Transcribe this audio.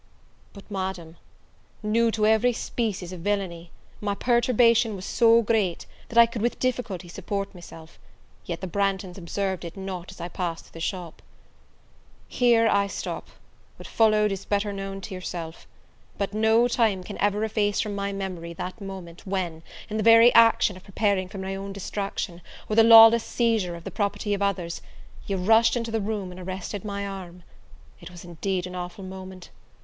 But, Madam, new to every species of villainy, my perturbation was so great, that I could with difficulty support myself, yet the Branghtons observed it not as I passed through the shop. Here I stop: what followed is better known to yourself. But no time can ever efface from my memory that moment, when, in the very action of preparing for my own destruction, or the lawless seizure of the property of others, you rushed into the room and arrested my arm! It was indeed an awful moment!